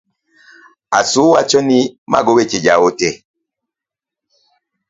Asu wacho ni mago weche ja ote.